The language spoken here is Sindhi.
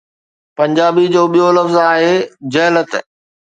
پنجابي جو ٻيو لفظ آهي ’جھلٽ‘.